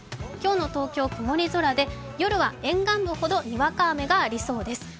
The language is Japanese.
今日の東京曇り空で夜は沿岸部ほどにわか雨がありそうです。